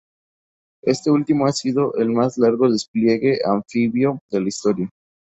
Este último ha sido el más largo despliegue anfibio de la historia.